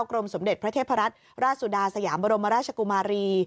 กรมสมเด็จพระเทพรัตนราชสุดาสยามบรมราชกุมารี